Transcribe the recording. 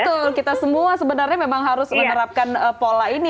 betul kita semua sebenarnya memang harus menerapkan pola ini